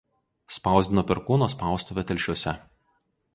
Spausdino Perkūno spaustuvė Telšiuose.